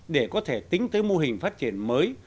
để có thể tính tới mô hình phát triển mới